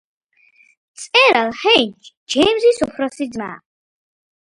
მწერალ ჰენრი ჯეიმზის უფროსი ძმა.